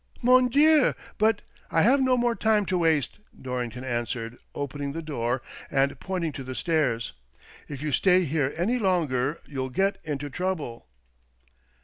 "MojiDieu! But "" I've no more time to waste," Dorrington answered, opening the door and pointing to the stairs. " If you stay here any longer you'll get into trouble."